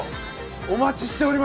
お待ちしておりました！